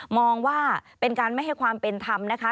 มองว่าเป็นการไม่ให้ความเป็นธรรมนะคะ